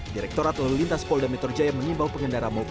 direkturat lalu lintas polda metro jaya menimbau pengendara maupun pengguna